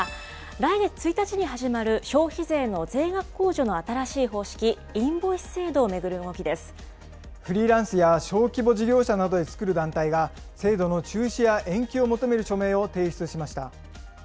来月１日に始まる、消費税の税額控除の新しい方式、フリーランスや小規模事業者などで作る団体が、制度の中止や延期を求める署名を提出しました。